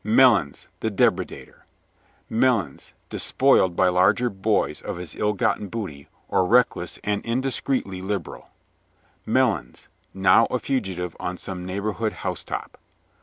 Melons the depredator Melons, despoiled by larger boys of his ill gotten booty, or reckless and indiscreetly liberal; Melons now a fugitive on some neighborhood house top.